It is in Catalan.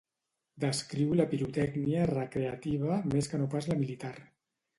Descriu la pirotècnia recreativa més que no pas la militar.